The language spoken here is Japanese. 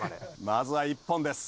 まずは１本です。